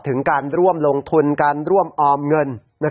ถึงการร่วมลงทุนการร่วมออมเงิน